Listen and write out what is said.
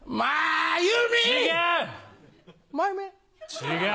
違う。